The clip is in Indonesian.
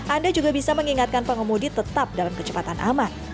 anda juga bisa mengingatkan pengemudi tetap dalam kecepatan aman